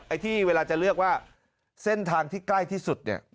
ที่เวลาจะเลือกว่าเส้นทางที่ใกล้ที่สุดเนี่ย